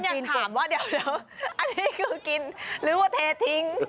ยังถามว่าเดี๋ยวอันนี้คือกินหรือว่าเททิ้ง